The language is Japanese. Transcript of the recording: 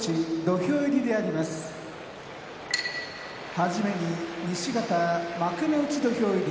はじめに西方幕内土俵入り。